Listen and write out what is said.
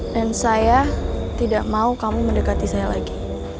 dan saya tidak mau kamu mendekati saya lagi